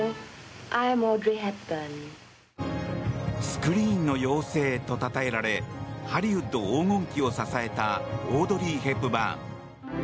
スクリーンの妖精とたたえられハリウッド黄金期を支えたオードリー・ヘプバーン。